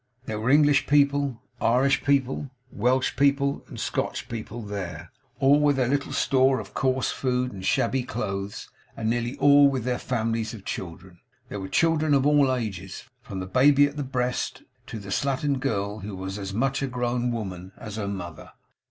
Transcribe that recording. There were English people, Irish people, Welsh people, and Scotch people there; all with their little store of coarse food and shabby clothes; and nearly all with their families of children. There were children of all ages; from the baby at the breast, to the slattern girl who was as much a grown woman as her mother.